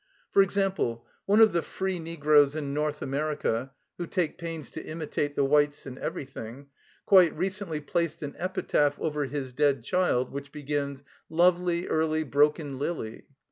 For example, one of the free negroes in North America, who take pains to imitate the whites in everything, quite recently placed an epitaph over his dead child which begins, "Lovely, early broken lily."